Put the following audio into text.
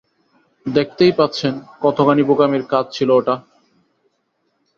দেখতেই পাচ্ছেন কতখানি বোকামির কাজ ছিল ওটা!